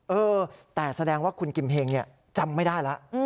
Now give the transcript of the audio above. เออแต่แสดงว่าคุณกิมเฮงจำไม่ได้แล้ว